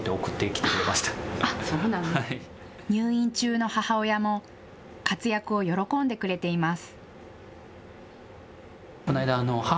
入院中の母親も活躍を喜んでくれています。